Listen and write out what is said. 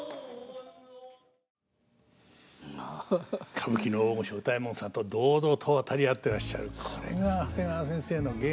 歌舞伎の大御所歌右衛門さんと堂々と渡り合ってらっしゃるこれが長谷川先生の芸の大きさですね。